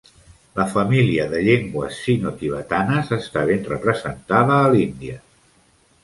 La família de llengües sinotibetanes està ben representada a l'Índia.